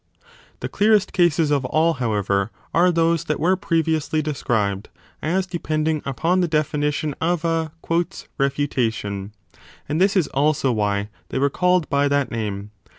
The clearest cases of all, however, are those that were previously described 2 as depending upon the definition of a refutation : and this is also why they were called by that name.